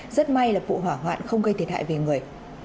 rất may là vụ hỏa hoạn không gây thiệt hại về người